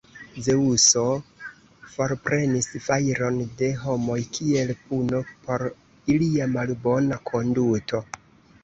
Zeŭso forprenis fajron de homoj kiel puno por ilia malbona konduto.